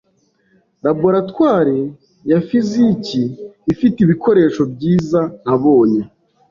Laboratoire ya fiziki ifite ibikoresho byiza nabonye.